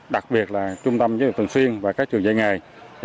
đặc biệt là trung tâm giới thiệu tuần xuyên và các trường dạy nghề